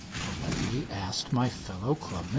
politely asked my fellow clubmen.